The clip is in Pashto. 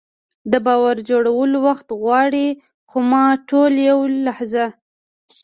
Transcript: د باور جوړول وخت غواړي، خو ماتول یوه لحظه.